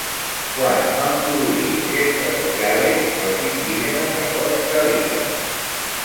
Quan van produir objectes de jade els indígenes de Costa Rica?